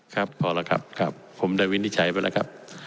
ครับพอแล้วครับครับผมได้วินิจฉัยไปแล้วครับ